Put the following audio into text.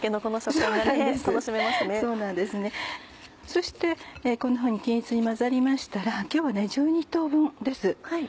そしてこんなふうに均一に混ざりましたら今日は１２等分です。